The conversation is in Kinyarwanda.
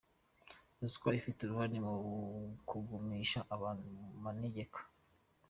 Ruswa ifite uruhare mu kugumisha abantu mu manegeka .